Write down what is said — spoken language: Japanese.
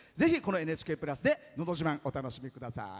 「ＮＨＫプラス」で「のど自慢」をお楽しみください。